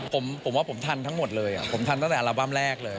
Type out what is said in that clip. ผมว่าผมทันทั้งหมดเลยผมทันตั้งแต่อัลบั้มแรกเลย